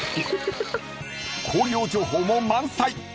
［紅葉情報も満載］